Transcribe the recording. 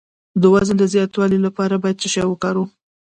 د وزن د زیاتولو لپاره باید څه شی وکاروم؟